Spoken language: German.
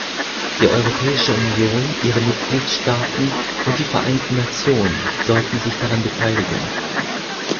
Die Europäische Union, ihre Mitgliedstaaten und die Vereinten Nationen sollten sich daran beteiligen.